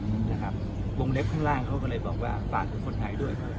วงเล็บข้างล่างเขาก็เลยบอกว่าฝากถึงคนไทยด้วย